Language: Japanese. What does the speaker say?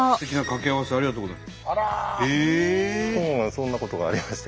そんなことがありまして。